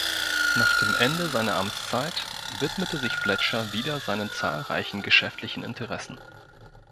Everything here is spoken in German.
Nach dem Ende seiner Amtszeit widmete sich Fletcher wieder seinen zahlreichen geschäftlichen Interessen.